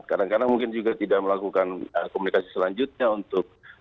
kadang kadang mungkin juga tidak melakukan komunikasi selanjutnya untuk